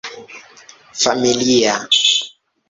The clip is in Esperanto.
familia